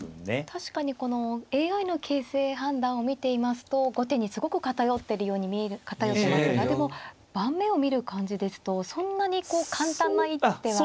確かにこのＡＩの形勢判断を見ていますと後手にすごく偏ってますがでも盤面を見る感じですとそんなに簡単な一手は。